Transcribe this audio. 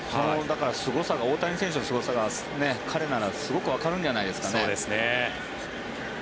大谷選手のすごさが彼ならすごくわかるんじゃないですかね。